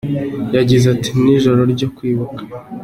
yagize ati, Ni ijoro ryo kwibuka.